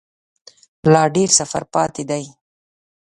لا ډیر سفر پاته دی